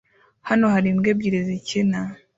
Hano hari imbwa ebyiri zikina